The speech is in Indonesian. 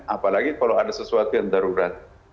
apalagi kalau ada sesuatu yang darurat